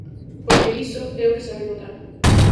Porque iso é o que se vai votar.